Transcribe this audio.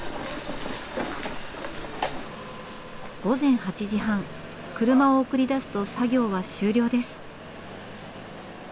午前８時半車を送り出すと作業は終了です。